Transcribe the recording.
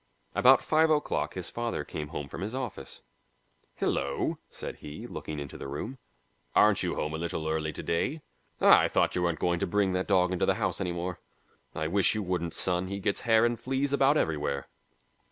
About five o'clock his father came home from his office. "Hello!" said he, looking into the room; "aren't you home a little early to day? Ah, I thought you weren't going to bring that dog into the house any more. I wish you wouldn't, son; he gets hair and fleas about everywhere."